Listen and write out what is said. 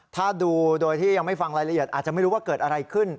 ถ้าดูโดยที่ยังไม่ฟังรายละเอียดอาจจะไม่รู้ว่าเกิดอะไรขึ้น